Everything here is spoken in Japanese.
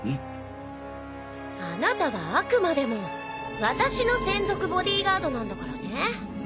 あなたはあくまでも私の専属ボディーガードなんだからね。